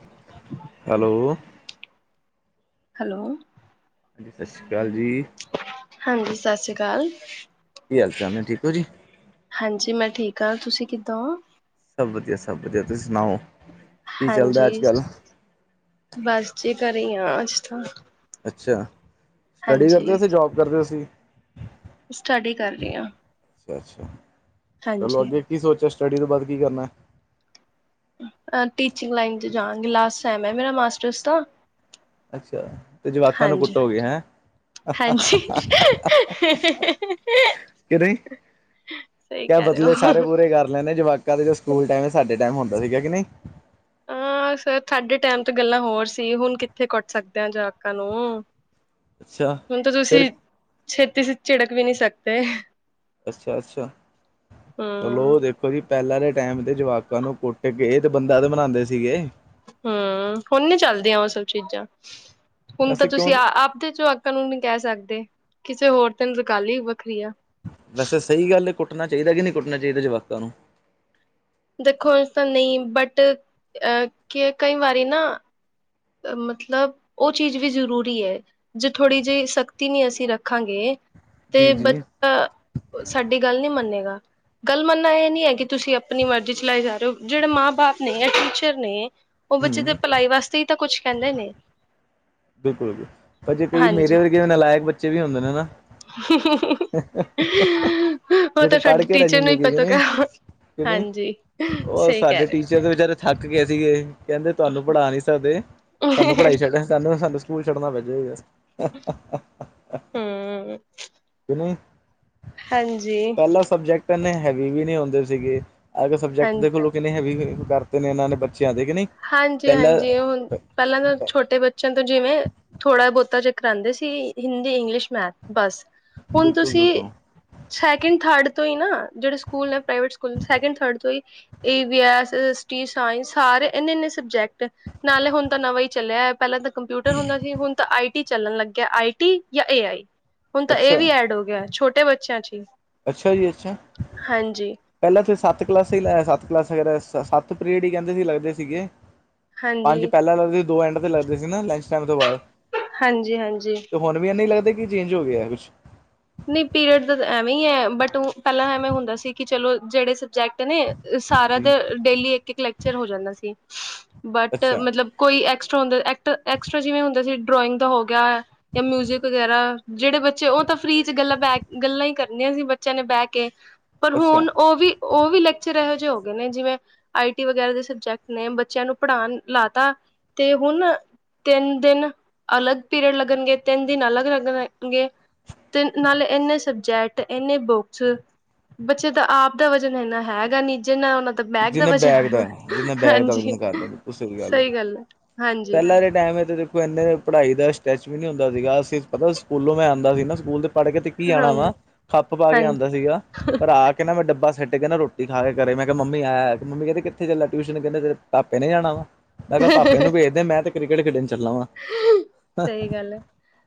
[unintelligible] Hello. Hello. ਹਾਂਜੀ ਸਤਿ ਸ਼੍ਰੀ ਅਕਾਲ ਜੀ। ਹਾਂਜੀ ਸਤਿ ਸ੍ਰੀ ਅਕਾਲ। ਕੀ ਹਾਲ ਚਾਲ ਨੇ? ਠੀਕ ਓ ਜੀ। ਹਾਂਜੀ, ਮੈਂ ਠੀਕ ਆਂ। ਤੁਸੀ ਕਿੱਦਾਂ ਓ? ਸਭ ਵਧੀਆ। ਸਭ ਵਧੀਆ। ਤੁਸੀ ਸੁਨਾਓ? ਹਾਂਜੀ। ਬਸ ਜੀ ਘਰੇ ਈ ਆਂ ਅੱਜ ਤੇ। ਅੱਛਾ। ਸਟੱਡੀ ਕਰਦੇ ਸੀ, ਜੋਬ ਕਰਦੇ ਸੀ। ਸਟੱਡੀ ਕਰ ਰੀ ਆਂ। ਅੱਛਾ ਅੱਛਾ। ਚਲੋ ਅੱਗੇ ਕੀ ਸੋਚੇਆ ਸਟੱਡੀ ਤੋਂ ਬਾਦ ਕੀ ਕਰਨਾ? ਅ ਟੀਚਿੰਗ ਲਾਈਨ ਚ ਜਾਂਗੀ। ਲਾਸਟ ਸੈਮ ਐ ਮੇਰਾ ਮਾਸਟਰਸ ਦਾ। ਅੱਛਾ। ਤੇ ਜਵਾਕਾਂ ਨੂੰ ਹਾਂਜੀ ਕੁੱਟੋਗੇ। ਹੈਂ। ਹਾਂਜੀ। ਸਹੀ ਕੇਆ ਕਹਿ ਰਹੇ ਬਦਲੇ ਸਾਰੇ ਹੋ ਪੂਰੇ ਕਰ ਲੈਨੇ ਜਵਾਕਾਂ ਦੇ ਜੋ ਸਕੂਲ ਟੈਮ ਸਾਡੇ ਟੈਮ ਹੁੰਦੇ ਸੀਗੇ ਕਿ ਨਈ। ਆਂ ਸਰ ਸਾਡੇ ਟੈਮ ਤੇ ਗੱਲਾਂ ਹੋਰ ਸੀ। ਹੁਣ ਕਿੱਥੇ ਕੁੱਟ ਸਕਦੇ ਆਂ ਜਵਾਕਾਂ ਨੂੰ। ਅੱਛਾ ਹੁਨ‌ ਤੇ ਤੁਸੀ ਫਿਰ ਛੇਤੀ ਚ ਝਿੜਕ ਵੀ ਨੀ ਸਕਦੇ। ਅੱਛਾ ਅੱਛਾ। ਹਮ ਚਲੋ ਦੇਖ ਕੋਕਿ ਪੈਲਾਂ ਦੇ ਟੈਮ ਤੇ ਜਵਾਕਾਂ ਨੂੰ ਕੁੱਟ ਕੇ ਤੇ ਬੰਦਾ ਤੇ ਬਨਾਂਦੇ ਸੀਗੇ ਹੂੰ। ਹੁਨ ਨੀ ਚੱਲਦੀਆਂ ਓ ਸਭ ਚੀਜਾਂ। ਹੁਨ ਤੇ ਵੈਸੇ ਕਿਉਂ ਤੁਸੀ ਅ ਆਪਦੇ ਜਵਾਕ ਕਾਨੂੰ ਨੀ ਕੈ ਸਕਦੇ। ਕਿਸੇ ਹੋਰ ਤਨ ਨੂੰ ਤੇ ਗਲ ਈ ਵੱਖਰੀ ਆ। ਵੈਸੇ ਸਈ ਗੱਲ ਏ, ਕੁੱਟਣਾ ਚਾਈਦਾ ਕੇ ਨਈ ਕੁੱਟਣਾ ਚਾਈਦਾ ਜਵਾਕਾਂ ਨੂੰ? ਦੇਖੋ, ਵੈਸ ਤੇ ਨਈ ਬਟ ਅ ਕਈ ਵਾਰੀ ਨਾ ਮਤਲਬ ਓ ਚੀਜ ਵੀ ਜਰੂਰੀ ਐ। ਜੇ ਥੋੜੀ ਜਿ ਸਖਤੀ ਨੀ ਅਸੀ ਰੱਖਾਂਗੇ ਜੀ ਤੇ ਬ ਜੀ ਤਾਂ ਸਾਡੀ ਗੱਲ ਨੀ ਮੰਨੇਗਾ। ਗੱਲ ਮੰਨਨਾ ਏ ਨੀ ਐ ਕਿ ਤੁਸੀ ਅਪਨੀ ਮਰਜੀ ਚਲਾਈ ਜਾ ਰੇ ਓ। ਜੇੜੇ ਮਾਂ ਬਾਪ ਨੇ ਜਾਂ ਟੀਚਰ ਨੇ ਓ ਹੂੰ ਬੱਚੇ ਦੇ ਭਲਾਈ ਵਾਸਤੇ ਈ ਤਾਂ ਕੁਛ ਕੈਂਦੇ ਨੇ। ਬਿਲਕੁਲ ਜੀ। ਪਰ ਜੇ ਕਈ ਮੇਰੇ ਹਾਂਜੀ। ਵਰਗੇ ਵੀ ਨਲਾਏਕ ਬੱਚੇ ਵੀ ਹੁੰਦੇ ਨੇ ਨਾ। [unintelligible] ਜੇੜੇ ਤਾਂ ਪੜ ਸਾਡੇ ਕੇ ਰੈ ਟੀਚਰ ਨੂੰ ਜਾਂਦੇ ਹੀ ਪਤਾ ਗਾ ਨੇ ਕੇਂਦੇ ਹਾਂਜੀ ਓ ਸਹੀ ਕਹਿ ਰਹੇ ਸਾਡੇ ਹੋ। ਟੀਚਰ ਤੇ ਵਿਚਾਰੇ ਥੱਕ ਗੇ ਸੀਗੇ। ਕੇਂਦੇ ਤਾਨੂੰ ਪੜਾ ਨੀ ਸਕਦੇ। ਸਾਨੂੰ ਪੜਾਈ ਛੱਡ ਸਾਨੂੰ ਸਾਨੂੰ ਸਕੂਲ ਛੱਡਣਾ ਪੈਜੇ ਹੂੰ। ਕਿ ਨੀ। ਹਾਂਜੀ, ਪੈਲਾਂ ਸਬਜੈਕਟ ਏਨੇ ਹੈਵੀ ਵੀ ਨੀ ਹੁੰਦੇ ਸੀਗੇ। ਅਜ-ਕਲ ਸਬਜੈਕਟ ਹਾਂਜੀ, ਦੇਖਲੋ ਕਿੰਨੇ ਹੈਵੀ ਕਰਤੇ ਨੇ ਏਨਾਂ ਨੇ ਬੱਚੇਆਂ ਦੇ ਕਿ ਨਈ। ਹਾਂਜੀ ਹਾਂਜੀ। ਹੁਨ ਪੈਲਾਂ ਤਾਂ ਛੋਟੇ ਬੱਚੇਆਂ ਨ ਤਾਂ ਜਿਵੇਂ ਥੋੜ੍ਹਾ ਬਹੁਤਾ ਜੇ ਕਰਾਂਦੇ ਸੀ ਹਿੰਦੀ, ਇੰਗਲਿਸ਼, ਮੈਥ ਬਸ ਹੁਣ ਬਿਲਕੁਲ ਤੁਸੀਂ ਬਿਲਕੁਲ ਸੈਕਿੰਡ ਥਰਡ ਤੋਂ ਹੀ ਨਾ, ਜਿਹੜੇ ਸਕੂਲ ਨੇਵੇ ਸਕੂਲ ਸੈਕਿੰਡ ਥਰਡ ਤੋਂ ਈ A B, S S T, science ਸਾਰੇ ਈ ਇੰਨੇ-ਇੰਨੇ ਸਬਜੈਕਟ ਨਾਲੇ ਹੁਣ ਤਾਂ ਨਵਾਂ ਹੀ ਚੱਲਿਆ ਪਹਿਲਾਂ ਤਾਂ ਕੰਪਿਊਟਰ ਹੁੰਦਾ ਸੀ ਹੁਣ ਤਾਂ ਆਈ ਟੀ ਚੱਲਣ ਲੱਗਿਆ ਆਈ ਟੀ ਜਾਂ ਏ ਆਈ। ਹੁਣ ਤਾਂ ਇਹ ਅੱਛਾ ਵੀ ਐਡ ਹੋ ਗਿਆ ਛੋਟੇ ਬੱਚਿਆਂ ਚ ਈ। ਅੱਛਾ ਜੀ ਅੱਛਾ। ਪਹਿਲਾਂ ਤੇ ਸੱਤ ਕਲਾਸਾਂ ਹੀ ਲਾਇਆ ਸੱਤ ਕਲਾਸ ਸੱਤ ਪੀਰੀਅਡ ਹੀ ਕਹਿੰਦੇ ਸੀ ਲੱਗਦੇ ਸੀਗੇ। ਪੰਜ ਹਾਂਜੀ, ਪਹਿਲਾਂ ਲੱਗਦੇ ਸੀ ਦੋ ਐਂਡ ਤੇ ਲੱਗਦੇ ਸੀ ਨਾ ਲੰਚ ਟਾਈਮ ਤੋਂ ਬਾਅਦ। ਹਾਂਜੀ-ਹਾਂਜੀ। ਤੇ ਹੁਣ ਵੀ ਇਹਨੇ ਈ ਲੱਗਦੇ ਕਿ ਚੇਂਜ ਹੋ ਗਿਆ ਕੁਛ। ਨਹੀਂ ਪੀਰੀਅਡ ਦਾ ਐਵੇਂ ਈ ਏ ਬਟ ਉਹ ਪਹਿਲਾਂ ਐਵੇਂ ਹੁੰਦਾ ਸੀ ਕਿ ਚਲੋ ਜਿਹੜੇ ਸਬਜੈਕਟ ਕਟ ਨੇ ਸਾਰਾ ਜੀ ਤਾਂ ਡੇਲੀ ਇੱਕ-ਇੱਕ ਲੈਕਚਰ ਹੋ ਜਾਂਦਾ ਸੀ, ਬਟ ਅੱਛਾ ਮਤਲਬ ਕੋਈ ਐਕਸਟਰਾ ਹੁੰਦਾ ਐਕਸਟਰਾ ਜਿਵੇਂ ਹੁੰਦਾ ਸੀ ਡਰੋਇੰਗ ਦਾ ਹੋ ਗਿਆ। ਜਾਂ ਮਿਊਜਿਕ ਵਗੈਰਾ, ਜਿਹੜੇ ਬੱਚੇ ਉਹ ਤਾਂ ਫਰੀ 'ਚ ਗੱਲਾਂ ਬਹਿ ਗੱਲਾਂ ਹੀ ਕਰਨੀਆਂ ਸੀ ਬੱਚਿਆਂ ਨੇ ਬਹਿ ਕੇ ਪਰ ਅੱਛਾ ਹੁਣ ਉਹ ਵੀ ਉਹ ਵੀ ਲੈਕਚਰ ਇਹੋ ਜਿਹੇ ਹੋ ਗਏ ਨੇ ਜਿਵੇਂ ਆਈਟੀ ਵਗੈਰਾ ਦੇ ਸਬਜੈਕਟ ਨੇ ਬੱਚਿਆਂ ਨੂੰ ਪੜ੍ਹਾਉਣ ਲਾ ਤਾ, ਤੇ ਹੁਣ ਤਿੰਨ ਦਿਨ, ਅਲੱਗ ਪੀਰੀਅਡ ਲੱਗਣਗੇ ਤਿੰਨ ਦਿਨ ਅਲੱਗ ਲੱਗਣਗੇ। ਤੇ ਨਾਲੇ ਇੰਨੇ ਸਬਜੈਕਟ, ਇੰਨੇ ਬੁੱਕਸ। ਬੱਚੇ ਤਾਂ ਆਪ ਦਾ ਵਜਨ ਇੰਨਾ ਹੈਗਾ ਨੀ ਜਿੰਨਾ ਉਹਨਾਂ ਦਾ ਦਾ ਜਿੰਨੇ ਵਜ਼ਨ ਬੈਗ ਦਾ, ਹੋਇਆ ਜਿੰਨੇ ਬੈਗ ਦਾ ਹਾਂਜੀ ਵਜਨ ਕਰਦੇ ਬਿਲਕੁਮ ਸਹੀ ਗੱਲ ਐ। ਪਹਿਲਾਂ ਦੇ ਟਾਈਮ ਤੇ ਕੋਈ ਇੰਨੇ ਪੜ੍ਹਾਈ ਦਾ ਸਟੈਚ ਵੀ ਨੀ ਹੁੰਦਾ ਸੀਗਾ ਅਸੀਂ ਪਤਾ ਸਕੂਲੋਂ ਮੈਂ ਆਂਦਾ ਸੀ ਨਾ ਸਕੂਲ ਦੇ ਪੜ ਕੇ ਤਿੱੱਕੀ ਜਾਣਾ ਵਾ, ਹਾਂਜੀ ਖੱਪ ਪਾ ਕੇ ਆਉਂਦਾ ਸੀਗਾ ਪਰ ਆ ਕਹਿੰਨਾ ਮੈਂ ਡੱਬਾ ਸਿੱਟ ਕਹਿੰਦਾ ਰੋਟੀ ਖਾ ਕੇ ਘਰੇ ਮੈਂ ਕਿਹਾ ਮ ਮੰਮੀ ਐ ਮੰਮੀ ਕਹਿੰਦੇ ਕਿੱਥੇ ਚੱਲਾ ਟਿਊਸ਼ਨ ਕਹਿੰਦੇ ਤੇਰੇ ਭਾਪੇ ਨੇ ਜਾਣਾ ਵਾ, ਮੈਂ ਕਿਹਾ ਭਾਪੇ ਨੂੰ ਹਾਂਜੀ ਭੇਜਦੇ ਮੈਂ ਤੇ ਕ੍ਰਿਕਟ ਖੇਡਣ ਚੱਲਾ ਵਾ। ਸਹੀ ਗੱਲ ਹੈ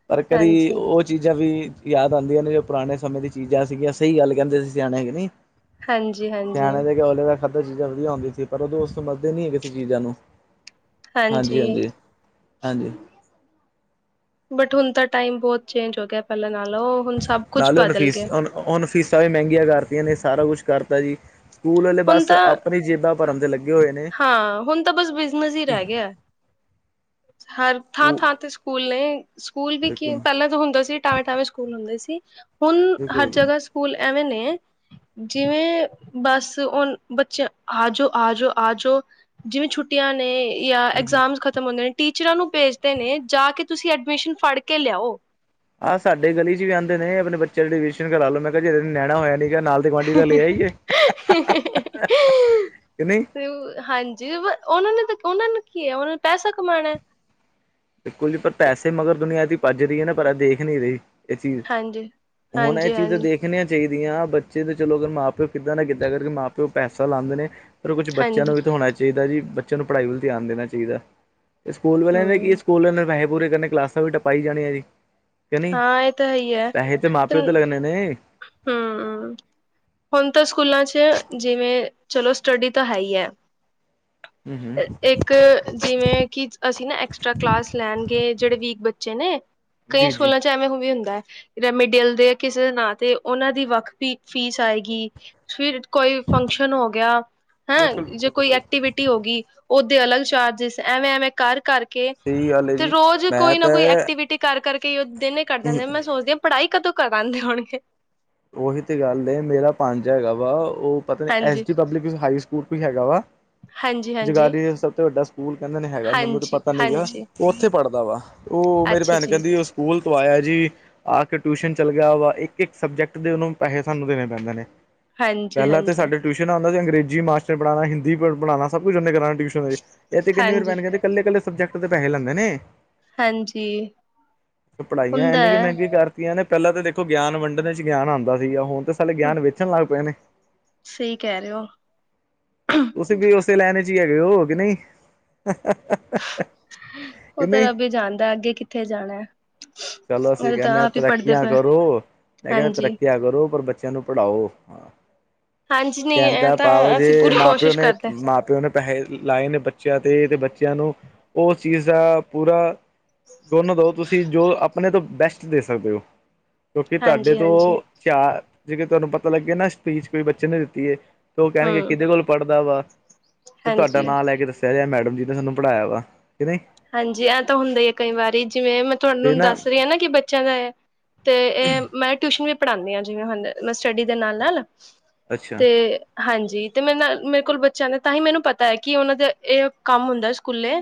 ਪਰ ਕਦੀ ਹਾਂਜੀ ਉਹ ਚੀਜ਼ਾਂ ਵੀ ਯਾਦ ਆਂਦੀਆਂ ਨੇ ਜੋ ਪੁਰਾਣੇ ਸਮੇਂ ਦੀ ਚੀਜ਼ਾਂ ਸੀਗੀਆਂ ਸਹੀ ਗੱਲ ਕਹਿੰਦੇ ਸੀ ਸਿਆਣੇ ਕਿ ਨਹੀ। ਹਾਂਜੀ ਹਾਂਜੀ ਸਿਆਣੇ ਦੇ ਕਿਹਾ ਔਲੇ ਦਾ ਖਾਧਾ ਚੀਜ਼ਾਂ ਵਧੀਆ ਹੁੰਦੀ ਸੀ ਪਰ ਉਦੋਂ ਉਹ ਸਮਝਦੇ ਸਮਝਦੇ ਨੀ ਕਿਸੇ ਚੀਜ਼ਾਂ ਨੂੰ। ਹਾਂਜੀ ਹਾਂਜੀ-ਹਾਂਜੀ, ਹਾਂਜੀ। ਬਟ ਹੁਣ ਤਾਂ ਟਾਈਮ ਬਹੁਤ ਚੇਂਜ ਹੋ ਗਿਆ ਪਹਿਲਾਂ ਨਾਲੋ ਹੁਣ ਸਭ ਕੁਛ ਨਾਲੇ ਹੁਨ ਬਦਲ ਫੀਸ ਗਿਆ ਹੁਨ ਫੀਸਾਂ ਵੀ ਮਹਿੰਗੀਆਂ ਕਰਤੀਆਂ ਨੇ ਸਾਰਾ ਕੁਛ ਕਰਤਾ ਜੀ। ਉਹਨਾਂ ਨੇ ਹੁਣ ਬਸ ਤਾਂ ਆਪਣੀ ਜੇਬਾਂ ਭਰਨ ਤੇ ਲੱਗੇ ਹੋਏ ਨੇ ਹਾਂ ਹੁਣ ਤਾਂ ਬਸ ਬਿਜਨਸ ਹੀ ਰਹਿ ਗਿਆ। ਹਰ ਥਾਂ-ਥਾਂ ਤੇ ਸਕੂਲ ਨੇ, ਸਕੂਲ ਵੀ ਕੀ ਬਿਲਕੁਲ ਪਹਿਲਾਂ ਤਾਂ ਹੁੰਦਾ ਸੀ ਟਾਵੇਂ-ਟਾਵੇਂ ਸਕੂਲ ਹੁੰਦੇ ਸੀ, ਹੁਣ ਹਰ ਬਿਲਕੁਲ ਜਗ੍ਹਾ ਸਕੂਲ ਐਵੇਂ ਨੇ, ਜਿਵੇਂ ਬੱਸ ਬੱਚੇ ਆਜੋ ਆਜੋ ਆਜੋਂ ਜਿਵੇਂ ਛੁੱਟੀਆਂ ਨੇ ਯਾ ਐਗਜ਼ਾਮਜ ਖਤ ਖਤਮ ਹੁੰਦੇ ਨੇ ਟੀਚਰਾਂ ਨੂੰ ਭੇਜਦੇ ਨੇ ਜਾ ਕੇ ਤੁਸੀਂ ਐਡਮਿਸ਼ਨ ਫੜ ਕੇ ਲਿਆਓ। ਆਹ ਸਾਡੇ ਗਲੀ 'ਚ ਵੀ ਆਂਦੇ ਨੇ ਆਪਣੇ ਬੱਚਿਆਂ ਨੂੰ ਐਡਿਸ਼ਨ ਕਰਾ ਲ ਲੋ ਮੈਂ ਕਿਹਾ ਜੇ ਨੈਣਾ ਹੋਇਆ ਨੀਗਾ ਨਾਲ ਦੇ ਗੁਆਂਢੀ ਦਾ ਲੈ ਆਈਏ ਕਿ ਨਹੀਂ ਤੇ ਹਾਂਜੀ ਉਹਨਾਂ ਨੇ ਤਾਂ ਉਹਨਾਂ ਨੂੰ ਕੀ ਹੈ ਉਹਨਾਂ ਨੂੰ ਪੈਸਾ ਕਮਾਣਾ। ਬਿਲਕੁਲ ਜੀ ਪਰ ਤੇ ਪੈਸੇ ਮਗਰ ਦੁਨੀਆਂ ਦੀ ਭੱਜ ਰਹੀ ਏ ਨਾ ਪਰ ਇਹ ਦੇਖ ਨੀ ਰਹੀ। ਇਹ ਚੀਜ਼, ਹਾਂਜੀ। ਹੁਣ ਐ ਚੀਜ਼ ਹਾਂਜੀ-ਹਾਂਜੀ, ਦੇਖ ਸਿੱਖਣੀਆਂ ਚਾਹੀਦੀਆਂ ਬੱਚੇ ਤਾਂ ਚਲੋ ਅਗਰ ਮਾਂ ਪਿਓ ਕਿੱਦਾਂ ਨਾ ਕਿੱਦਾਂ ਕਰਕੇ ਮਾਂ ਪਿਓ ਪੈਸਾ ਲਾਂਦੇ ਨੇ। ਕੁਛ ਬੱਚਿਆਂ ਹਾਂਜੀ ਨੂੰ ਵੀ ਤਾਂ ਹੋਣਾ ਚਾਹੀਦਾ ਜੀ ਬੱਚਿਆਂ ਨੂੰ ਪੜ੍ਹਾਈ ਵੱਲ ਧਿਆਨ ਦੇਣਾ ਚਾਹੀਦਾ, ਤੇ ਸਕੂਲ ਵਾਲਿਆਂ ਨੇ ਕੀ ਹੂੰ ਸਕੂਲਾ ਨੇ ਪੈਹੇ ਪੂਰੇ ਕਰਨੇ ਕਲਾਸਾਂ ਵੀ ਟਪਾਈ ਜਾਣੀਆਂ ਜੀ। ਕਿ ਨਹੀਂ ਹਾਂ ਇਹ ਤਾਂ ਪੈਹੇ ਤੇ ਮਾਂ- ਪਿਓ ਤੇ ਲੱਗਨੇ ਨੇ। ਹਾ। ਹੁਨ ਤਾਂ ਸਕੂਲਾਂ 'ਚ ਜਿਵੇਂ ਚਲੋ ਸਟੱਡੀ ਤਾਂ ਹੈ ਹੀ ਐ। ਹੂੰ ਹੂੰ ਇੱਕ ਜਿਵੇਂ ਕਿ ਅਸੀਂ ਨਾ ਐਕਸਟਰਾ ਕਲਾਸ ਲੈਣਗੇ ਜਿਹੜੇ ਵੀਕ ਬੱਚੇ ਨੇ। ਕਈ ਜੀ ਜੀ ਸਕੂਲਾਂ ਚ- ਐਵੇਂ ਉਵੇਂ ਹੁੰਦਾ ਹੈ ਰਮੀਡਅਲ ਦੇ ਕਿਸੇ ਦੇ ਨਾਂ ਤੇ ਉਹਨਾਂ ਦੀ ਵੱਖ ਵੀ ਫੀਸ ਆਏਗੀ। ਫਿਰ ਕੋਈ ਫੰਕਸ਼ਨ ਹੋ ਗਿਆ। ਹੈਂ ਬਿਲਕੁਲ ਜੇ ਬਿਲਕੁਲ ਕੋਈ ਬਿਲਕੁਲ ਐਕਟੀਵਿਟੀ ਹੋ ਗਈ ਓਦੇ ਅਲੱਗ ਚਾਰਜਿਸ ਐਵੇਂ-ਐਵੇਂ ਕਰ-ਕਰ, ਕੇ ਸਹੀ ਗੱਲ ਹੈ ਤੇ ਜੀ ਰੋਜ਼ ਮੈਂ ਕੋਈ ਨਾ ਤਾਂ ਕੋਈ ਐਕਟੀਵਿਟੀ ਕਰ ਕਰਕੇ ਉਹ ਦਿਨ ਹੀ ਕਰੱ ਦੀਦੇ ਨੇ ਮੈਂ ਸੋਚਦੀ ਹਾਂ। ਪੜਾਈ ਕਦੋਂ ਕਰਵਾਂਦੇ ਹੋਣਗੇ। ਉਹੀ ਤੇ ਗੱਲ ਏ ਮੇਰਾ ਪੰਜਾ ਹੈਗਾ ਵਾ ਉਹ ਪਤਾ ਨ ਐਸ ਹਾਂਜੀ, ਡੀ ਪਬਲਿਕ ਹਾਈ ਸ- ਸਕੂਲ ਵੀ ਹੈਗਾ ਵਾ ਹਾਂਜੀ, ਹਾਂਜੀ। ਜਗਾਘਰੀ ਸਭ ਤੋਂ ਵੱਡਾ ਸਕੂਲ ਕਹਿੰਦੇ ਨੇ ਹੈਗਾ ਮੈਨੂੰ ਤੇ ਹਾਂਜੀ, ਪਤਾ ਨੀ ਗਾ। ਹਾਂਜੀ ਤੇ ਉਹ ਉੱਥੇ ਪੜਦਾ ਵਾ ਉਹ ਮੇਰੀ ਅੱਛਾ ਭੈਣ ਜੀ, ਕਹਿੰਦੀ ਏ ਉਸ- ਸਕੂਲ ਤੋਂ ਆਇਆ ਜੀ ਆ ਕੇ ਟਿਊਸ਼ਨ ਚੱਲ ਗਿਆ ਵਾ ਇੱਕ - ਇੱਕ ਸਬਜੈਕਟ, ਦੇ ਉਹਨੂੰ ਪੈਸੇ ਸਾਨੂੰ ਦੇਣੇ ਪੈਂਦੇ ਨੇ ਹਾਂਜੀ, ਪਹਿਲਾਂ ਤਾਂ ਹਾਂਜੀ। ਸਾਡੇ, ਟਿਊਸ਼ਨ ਆਂ ਅਤੇ ਅੰਗਰੇਜ਼ੀ ਮਾਟਰ ਪੜਾਣਾ ਹਿੰਦੀ ਪੜਾਉਣਾ ਸਭ ਕੁਝ ਊਨੇ ਕਰਾਣਾ ਟਿਊਸ਼ਨ, ਇਹ ਤੇ ਕਹਿੰਨੀ ਮੇਰੀ ਹਾਂਜੀ, ਭੈਣ ਕਹਿੰਦੇ ਕੱਲੇ - ਕੱਲੇ ਸਬਜੈਕਟ ਦੇ ਪੈਹੇ ਲੈਂਦੇ ਨੇ। ਹਾਂਜੀ। ਤੇ ਪੜਾਈਆਂ ਹੁੰਦਾ ਇੰਨੀ ਕੁ ਐ। ਮਹਿੰਗੀ ਕਰ- ਤੀਆਂ ਨੇ ਪਹਿਲਾਂ ਤਾਂ ਦੇਖੋ ਗਿਆਨ ਵੰਡਣ 'ਚ ਗਿਆਨ ਆਂਦਾ ਸੀਗਾ ਹੁਣ, ਤੇ ਪੇਹਲੇ ਗਿਆਨ ਵੇਚਣ ਲੱਗ ਪਏ ਨੇ। ਸਹੀ ਕਹਿ ਰਹੇ ਹੋ? ਤੁਸੀਂ ਵੀ ਏਸੇ ਲੈਣ ਈ ਚ ਹੀ ਹੈਗੇ ਹੋ ਕੀ ਨਹੀਂ। ਹ [unintelligible] ਉਹ ਤੇ ਰਬ ਈ ਜਾਂਣਦਾ ਏ ਅੱਗੇ ਕਿੱਥੇ ਜਾਣਾ ਐ। ਚਲੋ ਅਸੀਂ ਕਹਦੇ ਆ ਤਰੱਕੀਆਂ ਕਰੋ ਮੈਂ ਕਹਿੰ ਹਾਂਜੀ, ਤਰੱਕੀਆਂ ਕਰੋ ਪਰ ਬ- ਬੱਚਿਆਂ ਨੂੰ ਪੜਾਓ ਹਾਂਜੀ ਨਹੀਂ ਐ ਕਹਿੰਦਾ ਤਾਂ ਪਾਓ ਜੇ ਅਸੀਂ ਪੂਰੀ ਮਾਂ ਪਿਓ ਕੋਸ਼ਿਸ਼ ਨੇ, ਕਰਦੇ ਮਾਂ ਪਿਓ ਨੇ- ਪੈਹੇ ਲਾਏ ਨੇ ਬੱਚਿਆਂ ਤੇ - ਤੇ ਬੱਚਿਆਂ ਨੂੰ ਉਸ ਚੀਜ਼ ਦਾ ਪੂਰਾ, ਦੋਨੋਂ ਦੋ ਤੁਸੀਂ ਜੋ ਆਪਣੇ ਤੋਂ ਬੈਸਟ ਦੇ ਸਕਦੇ ਹੋ। ਕਿਉਂਕਿ ਤੁਹਾਡੇ ਹਾਂਜੀ, ਤੋਂ ਹਾਂਜੀ ਚਾਰ ਜਿਕ ਤੁਹਾਨੂੰ ਪਤਾ ਲੱਗੇ ਨਾ ਸਪੀਚ ਕੋਈ ਬੱਚੇ ਨੇ ਦਿੱਤੀ ਐ। ਤੇ ਉਹ ਕਹਿਣਗੇ ਹੂੰ, ਕਿਹਦੇ ਕੋਲ ਪੜਦਾ ਵਾ, ਤੇ ਤੁਹਾਡਾ ਹਾਂਜੀ। ਨਾਲ- ਲੈ ਕੇ ਦੱਸੇਗਾ ਏ ਮੈਡਮ ਜੀ ਨੇ ਸਾਨੂੰ ਪੜਾਇਆ ਵਾ, ਕਿ ਨਹੀਂ। ਹਾਂਜੀ ਐ ਤਾਂ ਹੁੰਦਾ ਈ ਏ ਕਈ ਵਾਰੀ ਜਿਵੇਂ ਮੈਂ ਤੁਹਾਨੂੰ ਦੱਸ ਰਹੀ ਹਾਂ ਨਾ ਕਿ ਬੱਚਿਆਂ ਦਾ ਐ। ਤੇ ਇਹ ਮੈਂ ਟਿਊਸ਼ਨ ਵੀ ਪੜਾਂਦੀ ਆ ਜਿਵੇਂ ਹਨ ਸਟੱਡੀ ਦੇ ਨਾਲ - ਨਾਲ। ਅੱਛਾ ਤੇ ਹਾਂਜੀ ਤੇ ਮੇਰੇ ਨਾਲ ਮੇਰੇ ਕੋਲ ਬੱਚਿਆਂ ਨੇ ਤਾਂ ਹੀ ਮੈਨੂੰ ਪਤਾ ਹੈ ਕਿ ਉਹਨਾਂ ਦਾ ਇਹ ਕੰਮ ਹੁੰਦਾ ਐ ਸਕੂਲੇ।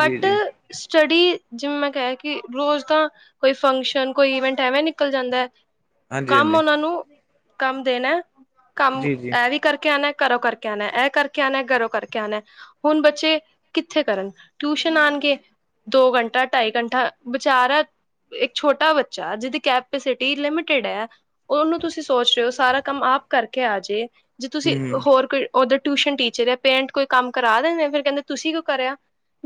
ਜੀ ਜੀ ਸਟੱਡੀ ਜਿਵੇਂ ਮੈਂ ਕਿਹਾ ਕਿ ਰੋਜ਼ ਤਾਂ, ਕੋਈ ਫੰਕਸ਼ਨ, ਕੋਈ ਈਵੈਂਟ ਐਵੇਂ ਨਿਕਲ ਜਾਂਦਾ ਏ। ਹਾਂਜੀ ਕੰਮ ਹਾਂਜੀ ਉਹਨਾਂ ਨੂੰ ਕੰਮ ਦੇਣਾ ਕੰਮ ਜੀ ਜੀ ਐ ਵੀ, ਕਰਕੇ ਆਂਣਾ ਐ, ਘਰੋਂ ਕਰਕੇ ਆਂਣਾ ਐ, ਇਹ ਕਰਕੇ ਆਂਣਾ ਐ, ਘਰੋਂ ਕਰਕੇ ਆਂਣਾ ਐ। ਹੁਣ ਬੱਚੇ ਕਿੱਥੇ ਕਰਨ ਟਿਊਸ਼ਨ ਆਣਗੇ ਦੋ ਘੰਟਾ, ਢਾਈ ਘੰਟਾ ਵਿਚਾਰਾ ਇੱਕ ਛੋਟਾ ਬੱਚਾ ਜਿਹਦੀ ਕੈਪੇਸਿਟੀ ਲਿਮਟਿਡ ਐ। ਉਹਨੂੰ ਤੁਸੀਂ ਸੋਚ ਰਹੇ ਹੋ, ਸਾਰਾ ਕੰਮ ਆਪ ਕਰਕੇ ਆ ਜੇ। ਜੇ ਤੁਸੀਂ ਹਮ ਹੋਰ ਕੋਈ ਉਧਰ ਟਿਊਸ਼ਨ ਟੀਚਰ ਏ, ਪੇਰੈਂਟ ਕੋਈ ਕੰਮ ਕਰਾ ਰਹੇ ਨੇ, ਫੇਰ ਕਹਿੰਦੇ ਤੁਸੀਂ ਕਿਉਂ ਕਰਿਆ?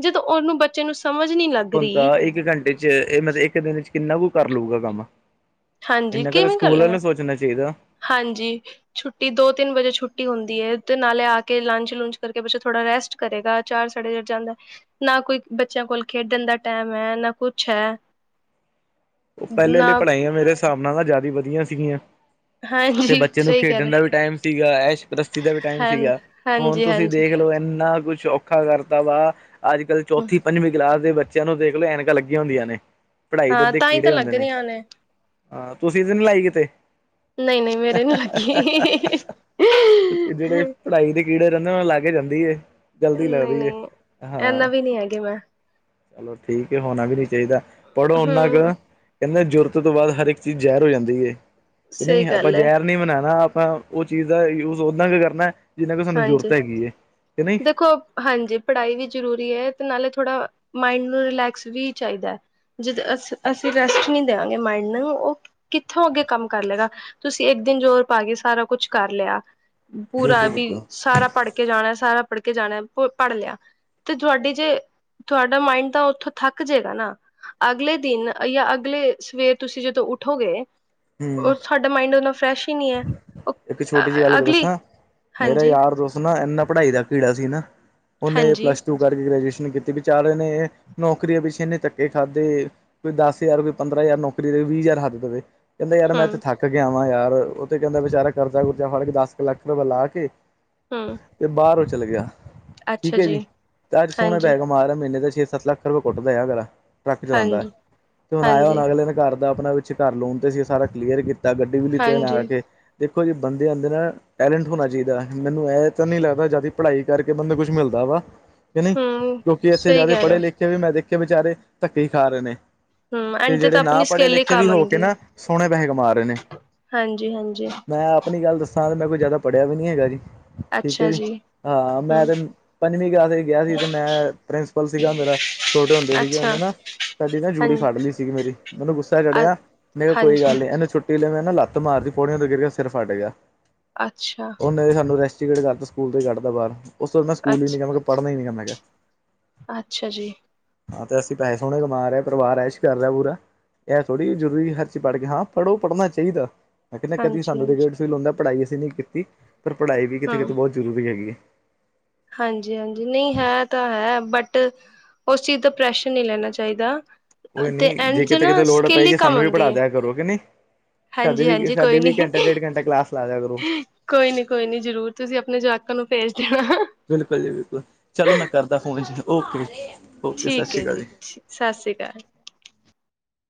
ਜਦੋਂ ਉਹਨੂੰ ਬੱਚੇ ਨੂੰ ਸਮਝ ਨਹੀਂ ਲੱਗ ਰਹੀ। ਬੰਦਾ ਇੱਕ ਘੰਟੇ ਚ ਇਹ ਮਤਲਬ, ਇੱਕ ਦਿਨ ਚ ਕਿੰਨਾ ਕੁ ਕਰ ਲੂਗਾ ਕੰਮ ਇਹਨਾਂ ਕ ਸਕੂਲ ਆਲਿਆ ਨੂੰ ਸੋਚਣਾ ਚਾਹੀਦਾ। ਹਾਂਜੀ‌। ਛੁੱਟੀ ਦੋ ਤਿੰਨ ਵਜੇ ਛੁੱਟੀ ਹੁੰਦੀ ਹੈ, ਨਾਲੇ ਆ ਕੇ ਲੰਚ ਲੂਚ ਕਰਕੇ, ਬੱਚਾ ਥੋੜਾ ਰੈਸਟ ਕਰੇਗਾ, ਚਾਰ ਸਾਢੇ ਚਾਰ ਜਾਂਦਾ। ਨਾ ਕੋਈ ਬੱਚਿਆਂ ਕੋਲ ਖੇਡਣ ਦਾ ਟਾਈਮ ਐ, ਨਾ ਕੁਛ ਐ ਉਹ ਪਹਿਲੇ ਲਈ ਪੜ੍ਹਾਈਆਂ ਮੇਰੇ ਹਿਸਾਬ ਨਾਲ ਤਾਂ ਜ਼ਿਆਦਾ ਵਧੀਆ ਸੀਗੀਆਂ। ਤੇ ਹਾਂਜੀ ਬੱਚੇ ਨੂੰ ਸਹੀ ਕਹਿ ਖੇਡਣ ਰਹੇ ਦਾ ਵੀ ਟਾਈਮ ਸੀਗਾ, ਐਸ਼ ਪ੍ਰਸਤੀ ਦਾ ਵੀ ਟਾਈਮ ਹਾਂ ਸੀਗਾ। ਹੁਣ ਹਾਂਜੀ ਤੁਸੀਂ ਹਾਂਜੀ ਦੇਖ ਲਓ, ਇੰਨਾ ਕੁਛ ਔਖ ਔਖਾ ਕਰਤਾ ਵਾ, ਅੱਜ- ਕੱਲ੍ਹ ਚੌਥੀ- ਪੰਜਵੀਂ ਕਲਾਸ ਦੇ ਬੱਚਿਆਂ ਨੂੰ ਦੇਖ ਲਓ, ਐਨਕਾਂ ਲੱਗੀਆਂ ਹੁੰਦੀਆਂ ਨੇ। ਪੜ੍ਹਾਈ ਹਾਂ ਤਾਂ ਹੀ ਤਾਂ [unintelligible] ਹੁੰਦੇ ਲੱਗ ਨੇ ਰਹੀਆਂ ਹਾਂ ਤੁਸੀਂ ਇਹ ਤੇ ਨ ਲਾਈ ਕਿਤੇ ਨਹੀਂ-ਨਹੀਂ‌, ਮੇਰੇ ਨੀ ਲੱਗੀ। ਤੇ ਜਿਹੜੇ ਪੜ੍ਹਾਈ ਦੇ ਕੀੜੇ ਰਹਿੰਦੇ, ਉਹਨਾ ਨੂੰ ਲਗ ਜਾਂਦੀ ਏ ਜਲਦੀ ਲੱਗਦੀ ਏ ਹਾਂ ਐਨਾ ਵੀ ਨੀ ਹੈਗੀ ਮੈਂ ਚਲੋ ਠੀਕ ਹੈ, ਹੋਣਾ ਵੀ ਨੀ ਚਾਹੀਦਾ। ਪੜ੍ਹੋ ਓਨਾ ਕੁ ਹਮ ਕਹਿੰਦੇ ਜ਼ਰੂਰਤ ਤੋਂ ਬਾਅਦ ਹਰ ਇੱਕ ਚੀਜ਼ ਜ਼ਹਿਰ ਹੋ ਜਾਂਦੀ ਏ, ਕਿ ਸਹੀ ਨਹੀਂ ਆਪਾਂ ਗੱਲ ਹੈ ਜ਼ਹਿਰ ਨਹੀਂ ਬਨਾਉਣਾ ਆਪਾਂ ਉਹ ਚੀਜ਼ ਦਾ ਯੂਜ ਓਨਾ ਕੁ ਕਰਨਾ, ਜਿੰਨਾ ਕਿ ਸਾਨੂੰ ਹਾਂਜੀ ਜ਼ਰੂਰਤ ਹੈਗੀ ਏ ਕਿ ਨਹੀਂ ਦੇਖੋ ਹਾਂਜੀ, ਪੜ੍ਹਾਈ ਵੀ ਜ਼ਰੂਰੀ ਏ ਤੇ ਨਾਲੇ ਥੋੜ੍ਹਾ ਮਾਇੰਡ ਨੂੰ ਰਿਲੈਕਸ ਵੀ ਚਾਹੀਦਾ ਐ। ਜਦੋਂ ਅ ਅਸੀਂ ਰੈਸਟ ਨਹੀ ਦੇਵਾਂਗੇ, ਮਾਈਡ ਨੂੰ ਉਹ ਕਿੱਥੋਂ ਅੱਗੇ ਕੰਮ ਕਰ ਲਏਗਾ। ਤੁਸੀਂ ਇੱਕ ਦਿਨ ਜ਼ੋਰ ਪਾ ਕੇ ਸਾਰਾ ਕੁੱਛ ਕਰ ਲਿਆ ਪੂਰਾ ਬਿਲਕੁਲ ਵੀ ਬਿਲਕੁਲ ਸਾਰਾ ਪੜ੍ਹ ਕੇ ਜਾਣਾ, ਸਾਰਾ ਪੜ੍ਹ ਕੇ ਜਾਣਾ, ਪੜ੍ਹ ਲਿਆ‌ ਤੇ, ਤੁਹਾਡੀ ਜੇ ਤੁਹਾਡਾ ਮਾਇੰਡ ਤਾਂ ਉੱਥੋਂ ਥੱਕ ਜੇਗਾ ਨਾ। ਅਗਲੇ ਦਿਨ ਜਾਂ ਅਗਲੇ ਸਵੇਰ ਤੁਸੀਂ ਜਦੋਂ ਉੱਠੋਗੇ ਹੂੰ ਉਹ ਸਾਡਾ ਮਾਈੰਡ ਓਨਾ ਫਰੈਸ਼ ਹੀ ਨਹੀ ਐ। ਇੱਕ ਛੋਟੀ ਜਿਹੀ ਗੱਲ ਦੱਸਾਂ, ਮੇਰਾ ਹਾਂਜੀ ਯਾਰ ਦੋਸਤ ਨਾ ਇਨਾ ਪੜ੍ਹਾਈ ਦਾ ਕੀੜਾ ਸੀ ਨਾ ਉਹਨੇ ਹਾਂਜੀ ਪਲੱਸ ਟੂ ਕਰਕੇ ਗ੍ਰੈਜੂਏਸ਼ਨ ਕੀਤੀ ਵਿਚਾਰੇ ਨੇ ਨੌਕਰੀਆਂ ਪਿੱਛੇ ਐਨੇ ਧੱਕੇ ਖਾਧੇ ਕੋਈ ਦਸ ਹਜ਼ਾਰ, ਕੋਈ ਪੰਦਰਾਂ ਹਜ਼ਾਰ, ਨੌਕਰੀ ਦੇ ਵੀਹ ਹਜ਼ਾਰ ਹੱਦ ਦੇਵੇ ਕਹਿੰਦਾ ਯਾਰ ਮੈਂ ਇੱਥੇ ਹਮ ਥੱਕ ਕੇ ਆਵਾਂ, ਯਾਰ ਉਥੇ ਕਹਿੰਦਾ ਵਿਚਾਰਾ ਕਰਜ਼ਾ ਕੁਰਜਾ ਫੜ ਕੇ ਦਸ ਕੁ ਲੱਖ ਰੁਪਏ ਲਾ ਕੇ ਹਾ। ਤੇ ਬਾਹਰ ਉਹ ਚੱਲ ਗਿਆ, ਠੀਕ ਹੈ ਜੀ, ਤੇ ਅੱਜ ਸੋਹਣਾ ਹਾਂਜੀ, ਪੈਸੇ ਕਮਾ ਰਹਾ ਮਹੀਨੇ ਦੇ ਛੇ- ਸੱਤ ਲੱਖ [unintelligible] ਹਾਂਜੀ, ਤੇ ਹੁਣ ਆਇਆੁ ਹਾਂਜੀ, ਅਗਲੇ ਦੇ ਘਰ ਦਾ ਆਪਣਾ ਪਿਛੇ ਘਰ ਲੋਨ 'ਤੇ ਸੀਂ, ਸਾਰਾ ਕਲੀਅਰ ਕੀਤਾ, ਗੱਡੀ ਵੀ ਲਿੱਤੀ ਆ ਹਾਂਜੀ ਕੇ ਦੇਖੋ ਜੀ ਬੰਦੇ ਅੰਦਰ ਟੈਲੈਂਟ ਹੋਣਾ ਚਾਹੀਦਾ। ਮੈਨੂੰ ਇਹ ਤਾਂ ਨਹੀ ਲੱਗਦਾ ਵੀ ਜ਼ਿਆਦਾ ਪੜ੍ਹਾਈ ਕਰਕੇ ਬੰਦੇ ਨੂੰ ਕੁਛ ਮਿਲਦਾ ਵਾ ਕਿ ਨੀ, ਹੂੰ। ਕਿਉਂਕਿ ਇੱਥੇ ਸਹੀ ਜਿਆਦੇ ਕਹਿ ਰਹੇ ਪੜ੍ਹੇ- ਹੋ, ਲਿਖੇ ਵੀ ਮੈਂ ਦੇਖਿਆ ਵਿਚਾਰੇ ਧੱਕੇ ਈ ਖਾ ਰਹੇ ਨੇ ਹੂੰ ਤੇ ਐਂਡ ਜਿਹੜੇ ਤਾਂ ਨਾ ਆਪਣੀ ਪੜ੍ਹੇ ਸਕਿੱਲ ਹੀ ਲਿਖੇ ਵੀ ਕੰਮ ਹੋ ਕੇ ਆਂਦੀ ਨਾ ਸੋਹਣੇ ਪੈਸੇ ਕਮਾ ਰਹੇ ਨੇ ਹਾਂਜੀ- ਹਾਂਜੀ। ਮੈਂ ਆਪਣੀ ਗੱਲ ਦੱਸਾਂ, ਮੈਂ ਕੋਈ ਜ਼ਿਆਦਾ ਪੜ੍ਹਿਆ ਵੀ ਨੀ ਹੈਗਾ ਜੀ ਠੀਕ ਹੈ ਜੀ। ਹਾਂ, ਹੂੰ ਮੈਂ ਤੇ ਪੰਜਵੀਂ ਕਲਾਸ ਵਿੱਚ ਗਿਆ ਸੀ ਤੇ ਮੈਂ ਪ੍ਰਿੰਸੀਪਲ ਸੀਗਾ ਮੇਰਾ, ਛੋਟੇ ਹੁੰਦੇ ਸੀਗੇ ਅੱਛਾ, ਉਹੇ ਨਾ ਸਾਡੀ ਨਾ ਜੂੜੀ ਹਾਂਜੀ। ਫੜ ਲਈ ਸੀਗੀ, ਮੇਰੀ ਮੈਨੂੰ ਗੁੱਸਾ ਅ ਚੜਿਆ, ਮੈਂ ਕਿਹਾ ਕੋਈ ਹਾਂਜੀ, ਗੱਲ ਨੀ ਇਹਨੂੰ ਚਛੁੱ ਟੀਲੇ ਮੈਂ ਨਾ ਲੱਤ ਮਾਰਦੀ ਪੌੜੀਆਂ ਤੋਂ ਗਿਰ ਗਿਆ ਸਿਰ ਫੱਟ ਗਿਆ ਅੱਛਾ। ਓਨੇ ਤਾਂ ਸਾਨੂੰ ਰੇਸਟੀਕੇਟ ਕਰਤਾ ਸਕੂਲ ਤੋਂ ਈ ਕੱਢਦਾ ਬਾਰ ਉਸ ਬਾਦ ਮੈਂ ਸਕੂਲ ਈ ਨੀ ਅੱਛ ਗਿਆ [unintelligible] ਪੜ੍ਹਨਾ ਈ ਨੀ ਮੈਂ ਕਿਆ। ਅੱਛਾ ਜੀ। ਹਾਂ ਤੇ ਅਸੀਂ ਪੈਸੇ ਸੋਣੇ ਕਮਾ ਰਿਆ ਪਰਿਵਾਰ ਐਸ਼ ਕਰ ਰਿਆ ਪੂਰਾ। ਐ ਥੋੜ੍ਹੀ ਜ਼ਰੂਰੀ ਹਰ ਚ ਪੜ ਕੇ ਹਾਂ ਪੜ੍ਹੋ ਪੜ੍ਹਨਾ ਚਾਈਦਾ ਮੈਂ ਕੈਨਾ ਕਦੀ ਹਾਂਜੀ-ਹਾਂਜੀ, [unintelligible] ਪੜ੍ਹਾਈ ਅਸੀਂ ਨਈ ਕੀਤੀ ਪਰ ਪੜ੍ਹਾਈ ਵੀ ਕਿਤੇ-ਕਿਤੇ ਹੂੰ। ਬੋਤ ਜ਼ਰੂਰੀ ਹੈਗੀ ਐ ਹਾਂਜੀ-ਹਾਂਜੀ ਨਈ ਹੈ ਤਾਂ ਹੈ ਬਟ ਉਸ ਚੀਜ਼ ਦਾ ਪ੍ਰੈਸ਼ਰ ਨੀ ਲੈਣਾ ਚਾਈਦਾ ਕੋਈ ਤੇ ਨਹੀਂ ਐਂਡ ਚ ਨਾ ਸਕਿੱਲ ਈ ਕੰਮ ਆਂਦੀ ਏ। ਕਰੋਗੇ ਨੀ। ਹਾਂਜੀ-ਹਾਂਜੀ ਕੋਈ ਨੀ। ਘੰਟਾ ਕਲਾਸ ਲਾ ਦਿਆ ਕਰੋ ਕੋਈ ਨੀ ਕੋਈ ਨੀ ਜਰੂਰ ਤੁਸੀਂ ਆਪਣੇ ਜਾਵਾਕਾਂ ਨੂੰ ਭੇਜ ਦੇਣਾ। ਬਿਲਕੁਲ ਜੀ ਬਿਲਕੁਲ ਚਲੋ ਮੈਂ ਕਰਦਾ ਫੋਨ ਜੀ ਓਕੇ ਓਕੇ ਸਸ ਸ਼੍ਰੀ ਕਾਲ ਜੀ। ਸਸ ਸ਼੍ਰੀ ਕਾਲ।